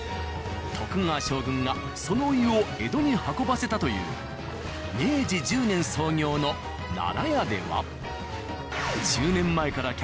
徳川将軍がそのお湯を江戸に運ばせたという明治１０年創業の奈良屋では１０年前からあら。